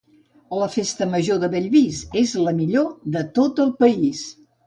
La Festa Major de Bellvís és la millor de tot el país.